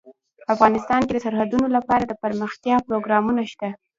افغانستان کې د سرحدونه لپاره دپرمختیا پروګرامونه شته.